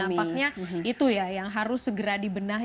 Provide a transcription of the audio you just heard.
nampaknya itu ya yang harus segera dibenahi